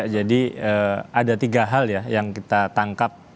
jadi ada tiga hal ya yang kita tangkap